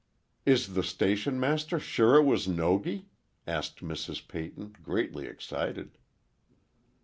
"Is the station master sure it was Nogi?" asked Mrs. Peyton, greatly excited.